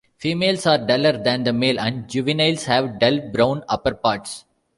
Females are duller than the male, and juveniles have dull brown upperparts.